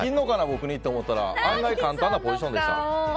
僕にって思ったら案外簡単なポジションでした。